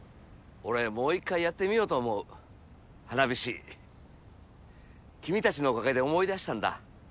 俺もう一回やってみようと思う花火師君たちのおかげで思い出したんだ